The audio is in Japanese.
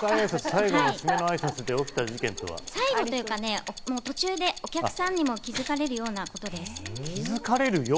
最後というか、途中でお客さんにも気づかれるようなことです。